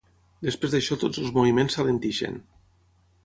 Després d'això tots els moviments s'alenteixen.